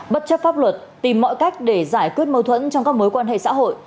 bất chấp pháp luật tìm mọi cách để giải quyết mâu thuẫn trong các mối quan hệ xã hội